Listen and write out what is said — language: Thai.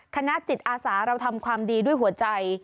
คณะจิตอาสาเราทำความดีด้วยหัวใจ